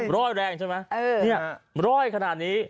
ร่อยแรงใช่ไหมเนี่ยร่อยขนาดนี้